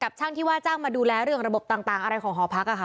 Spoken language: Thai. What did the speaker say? ช่างที่ว่าจ้างมาดูแลเรื่องระบบต่างอะไรของหอพักค่ะ